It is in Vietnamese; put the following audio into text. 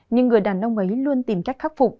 nhưng người đàn ông ấy luôn tìm cách khắc phục